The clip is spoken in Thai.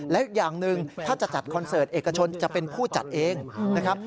และอีกอย่างหนึ่งถ้าจะจัดคอนเสิร์ตเอกชนจะเป็นผู้จัดเองนะครับ